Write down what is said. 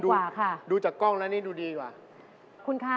ใช่ดูจากกล้องแล้วนี่ดูดีกว่าแพงกว่าค่ะ